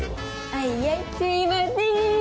あいあいすいませーん。